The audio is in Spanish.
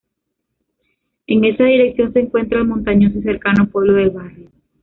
En esa dirección se encuentra el montañoso y cercano pueblo de Barrio.